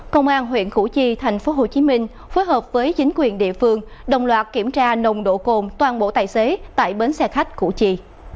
công an huyện củ chi thành phố hồ chí minh phối hợp với chính quyền địa phương đồng loạt kiểm tra nồng độ cồn toàn bộ tài xế tại bến xe khách củ chi